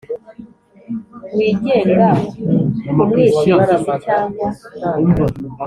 wigenga ku mwishingizi cyangwa